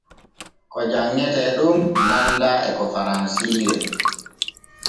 Ko janŋete ɗon nanda e ko faransire.